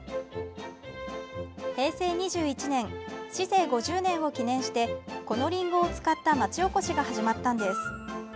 平成２１年市政５０年を記念してこのりんごを使った町おこしが始まったんです。